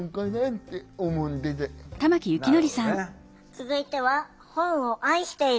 続いては本を愛している。